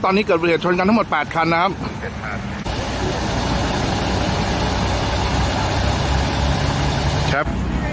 ตอนนี้เกิดประเหตุชนกันทั้งหมดแปดคันนะครับ